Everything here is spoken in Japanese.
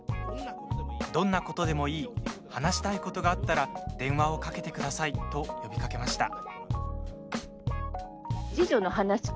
「どんなことでもいい話したいことがあったら電話をかけてください」と呼びかけました。